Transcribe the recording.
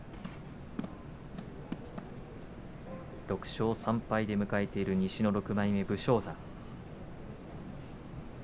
６勝３敗で迎えている西の６枚目武将山。